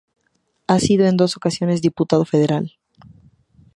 Ha sido en dos ocasiones diputado federal.